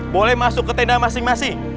boleh masuk ke tenda masing masing